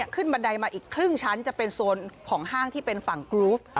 บันไดมาอีกครึ่งชั้นจะเป็นโซนของห้างที่เป็นฝั่งกรูฟ